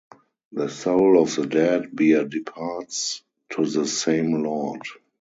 The soul of the dead bear departs to the same lord.